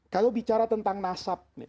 kalau bicara tentang nasab